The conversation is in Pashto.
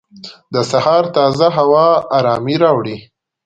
د سهار تازه هوا ارامۍ راوړي.